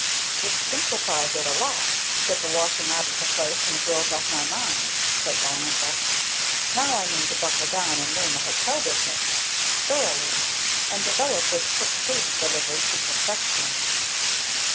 "It simplifies it a lot to get the washing out of the place and the girls off my mind," said Diantha. "Now I mean to buckle down and learn the hotel business thoroughly, and develop this cooked food delivery to perfection."